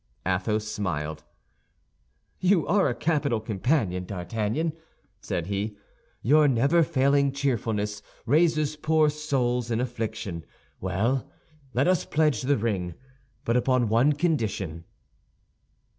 Athos smiled. "You are a capital companion, D'Artagnan," said he; "your never failing cheerfulness raises poor souls in affliction. Well, let us pledge the ring, but upon one condition."